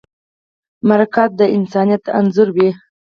مرکه دې د انسانیت انځور وي.